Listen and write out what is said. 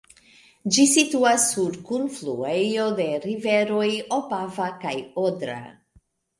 Ĝi situas sur kunfluejo de riveroj Opava kaj Odra.